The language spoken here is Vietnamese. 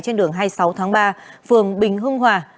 vụ án mạng xe máy trên đường hai mươi sáu tháng ba phường bình hưng hòa